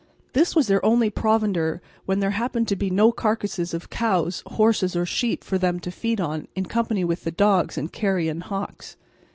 This was their only provender when there happened to be no carcasses of cows, horses, or sheep for them to feed on in company with the dogs and carrion hawks.